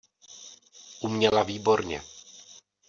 Uměla výborně.